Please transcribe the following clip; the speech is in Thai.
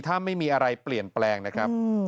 ถ้าไม่มีอะไรเปลี่ยนแปลงนะครับ